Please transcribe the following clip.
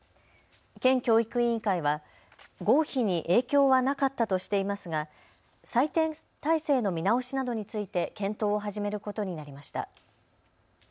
県教育委員会は合否に影響はなかったとしていますが採点体制の見直しなどについて検討を始めることになりました。